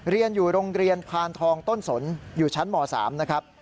เรียนอยู่โรงเรียนพานทองต้นสนอยู่ชั้นม๓นะครับ